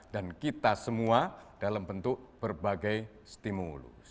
dan kita semua dalam bentuk berbagai stimulus